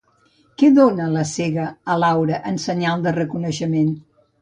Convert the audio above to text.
Què dona la Cega a Laura en senyal de reconeixement?